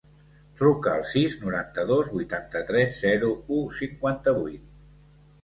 Truca al sis, noranta-dos, vuitanta-tres, zero, u, cinquanta-vuit.